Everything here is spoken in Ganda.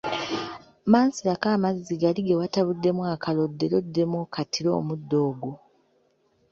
Mansirako amazzi gali ge watabuddemu akaloddo era oddemu okkatire omuddo ogwo.